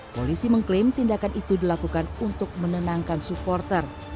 polisi mengklaim tindakan itu dilakukan untuk menenangkan supporter